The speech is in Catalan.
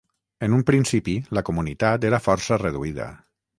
En un principi, la comunitat era força reduïda.